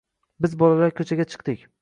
Biz bolalar ko‘chaga chiqdik.